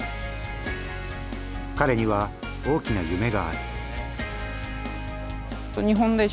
彼には大きな夢がある。